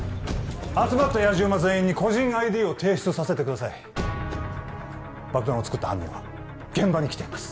集まったやじ馬全員に個人ＩＤを提出させてください爆弾を作った犯人は現場に来ています